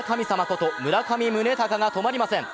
こと村上宗隆が止まりません。